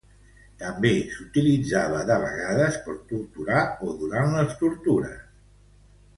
També s'utilitzava de vegades per torturar o durant les tortures.